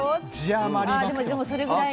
ああでもそれぐらい。